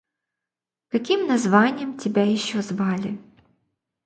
Каким названьем тебя еще звали?